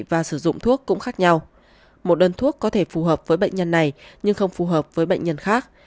và sử dụng thuốc cũng khác nhau một đơn thuốc có thể phù hợp với bệnh nhân này nhưng không phù hợp với bệnh nhân khác